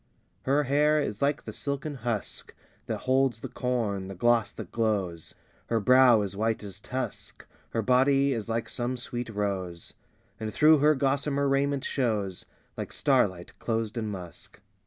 III Her hair is like the silken husk That holds the corn, the gloss that glows; Her brow is white as tusk; Her body is like some sweet rose, And through her gossamer raiment shows Like starlight closed in musk.